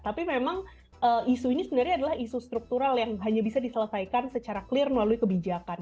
tapi memang isu ini sebenarnya adalah isu struktural yang hanya bisa diselesaikan secara clear melalui kebijakan